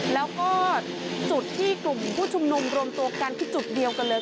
แล้วก็จุดที่กลุ่มผู้ชุมนุมรวมตัวกันที่จุดเดียวกันเลย